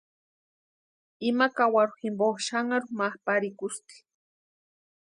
Ima kawaru jimpo xanharu ma parhikusti.